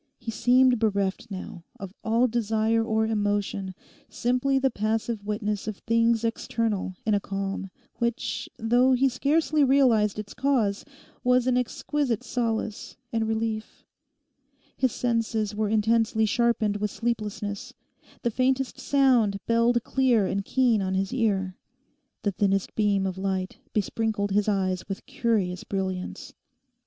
He seemed bereft now of all desire or emotion, simply the passive witness of things external in a calm which, though he scarcely realised its cause, was an exquisite solace and relief. His senses were intensely sharpened with sleeplessness. The faintest sound belled clear and keen on his ear. The thinnest beam of light besprinkled his eyes with curious brilliance.